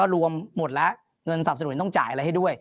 รวมหมดแล้วเงินสนับสนุนต้องจ่ายอะไรให้ด้วย